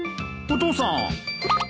お父さん。